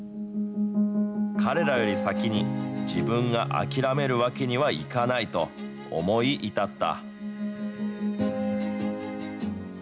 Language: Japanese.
彼らより先に自分が諦めるわけにはいかないと思い至った。